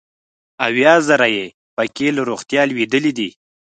اویا زره یې پکې له روغتیا لوېدلي دي.